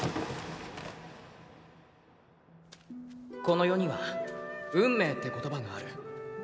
⁉「この世には運命って言葉がある。